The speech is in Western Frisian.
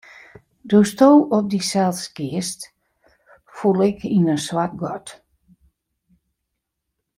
Doe'tsto op dysels giest, foel ik yn in swart gat.